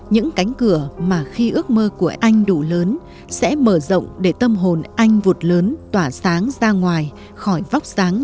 những cánh cửa mà khi ước mơ của anh đủ lớn sẽ mở rộng để tâm hồn anh vụt lớn tỏa sáng sáng